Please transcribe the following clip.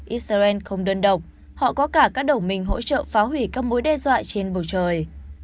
israel không đơn độc họ có cả các đầu minh hỗ trợ phá hủy các mối đe dọa trên bầu trời